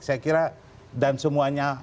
saya kira dan semuanya